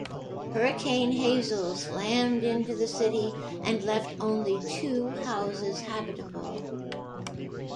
Hurricane Hazel slammed into the city and left only two houses habitable.